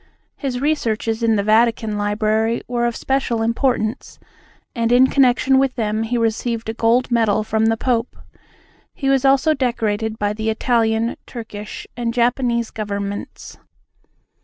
His researches in the Vatican Library were of special importance, and in connection with them he received a gold medal from the Pope; he was also decorated by the Italian, Turkish and Japanese governments.